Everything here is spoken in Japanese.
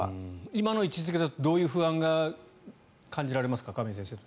今の位置付けだとどういう不安が感じられますか。